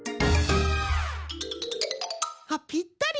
あっぴったり！